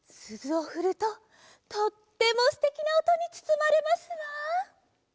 すずをふるととってもすてきなおとにつつまれますわ。